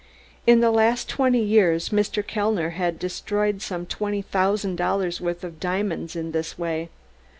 In the last twenty years Mr. Kellner had destroyed some twenty thousand dollars' worth of diamonds in this way.